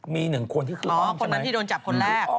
มี๑คนที่คืออ้อมใช่ไหม